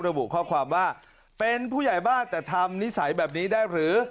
ระบุข้อความว่าเป็นผู้ใหญ่บ้านแต่ทำนิสัยแบบนี้ได้หรือ